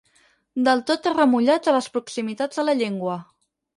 Del tot remullats a les proximitats de la llengua.